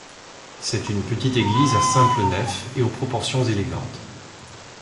C'est une petite église à simple nef et aux proportions élégantes.